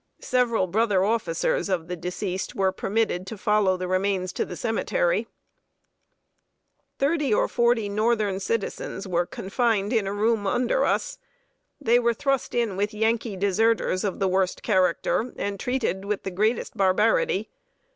Several brother officers of the deceased were permitted to follow the remains to the cemetery. [Sidenote: HORRIBLE TREATMENT OF NORTHERN CITIZENS.] Thirty or forty Northern citizens were confined in a room under us. They were thrust in with Yankee deserters of the worst character, and treated with the greatest barbarity.